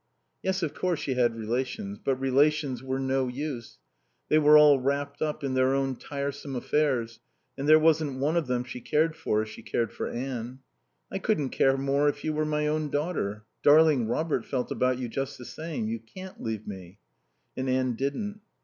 Yes, of course she had relations. But relations were no use. They were all wrapped up in their own tiresome affairs, and there wasn't one of them she cared for as she cared for Anne. "I couldn't care more if you were my own daughter. Darling Robert felt about you just the same. You can't leave me." And Anne didn't.